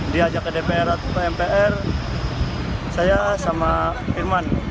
diajak ke dpr atau ke mpr saya sama irman